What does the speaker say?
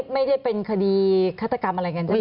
ไม่ได้เป็นคดีฆาตกรรมอะไรกันใช่ไหม